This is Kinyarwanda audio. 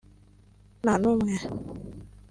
nta n’umwe